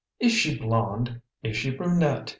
"Is she blonde? Is she brunette?